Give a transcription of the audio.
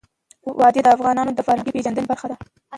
وادي د افغانانو د فرهنګي پیژندنې برخه ده.